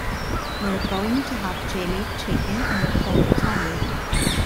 We’re going to have jellied chicken and cold tongue.